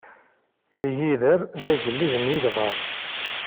Igider d agellid n yegḍaḍ.